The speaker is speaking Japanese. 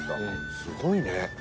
すごいね！